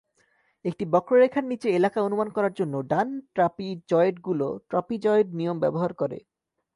একটি বক্ররেখার নিচে এলাকা অনুমান করার জন্য ডান ট্রাপিজয়েডগুলি ট্রাপিজয়েড নিয়ম ব্যবহার করে।